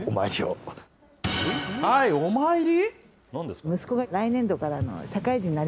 お参り？